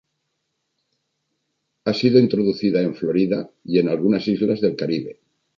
Ha sido introducida en Florida y en algunas islas del Caribe.